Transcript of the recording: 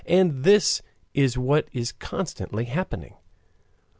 And this is what is constantly happening.